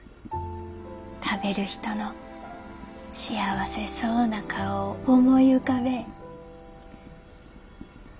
食べる人の幸せそうな顔を思い浮かべえ。